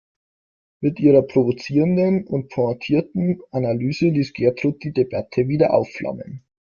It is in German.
Mit ihrer provozierenden und pointierten Analyse ließ Gertraud die Debatte wieder aufflammen.